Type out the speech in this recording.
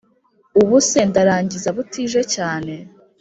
Ubuse ndarangiza butije cyane